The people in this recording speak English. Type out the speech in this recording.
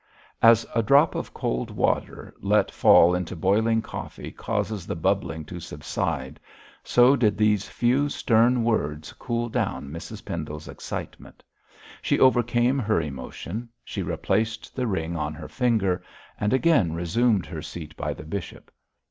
As a drop of cold water let fall into boiling coffee causes the bubbling to subside, so did these few stern words cool down Mrs Pendle's excitement. She overcame her emotion; she replaced the ring on her finger, and again resumed her seat by the bishop.